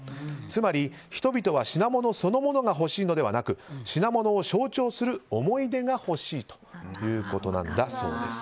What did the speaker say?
つまり、人々は品物そのものが欲しいのではなく品物を象徴する思い出が欲しいということなんだだそうです。